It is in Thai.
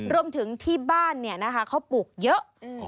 รวมถึงที่บ้านเขาปลูกเยอะ